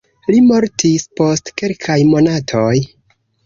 Li mortis post kelkaj monatoj.